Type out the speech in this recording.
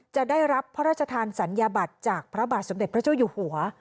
จะได้รับพระราชทานสัญญาบัตรจากพระบาทสมเด็จพระเจ้าอยู่หัว